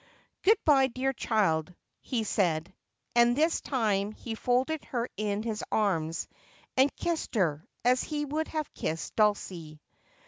'Good bye, dear child,' he said, and this time he folded her in his arms and kissed her, as he would have kissed Dulcie.